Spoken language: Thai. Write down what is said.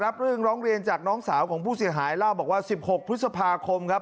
รับเรื่องร้องเรียนจากน้องสาวของผู้เสียหายเล่าบอกว่า๑๖พฤษภาคมครับ